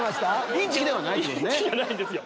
⁉インチキではないですもんね。